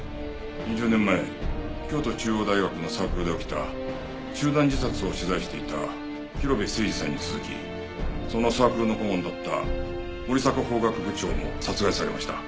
２０年前京都中央大学のサークルで起きた集団自殺を取材していた広辺誠児さんに続きそのサークルの顧問だった森迫法学部長も殺害されました。